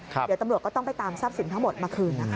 เดี๋ยวตำรวจก็ต้องไปตามทรัพย์สินทั้งหมดมาคืนนะคะ